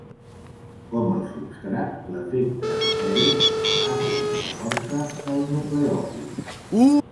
Com el substrat, l'efecte estèric afecta la força del nucleòfil.